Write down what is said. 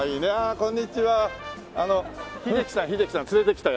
こんにちは。